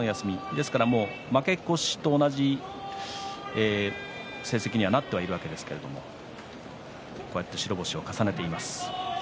ですから負け越しと同じ成績にはなっていますがこうして白星を重ねています。